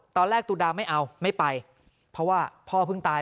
ตอนแรกตุดาไม่เอาไม่ไปเพราะว่าพ่อเพิ่งตาย